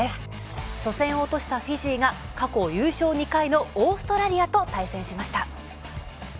初戦を落としたフィジーが過去優勝２回のオーストラリアと対戦しました。